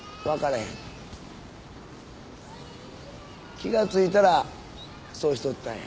気が付いたらそうしとったんや。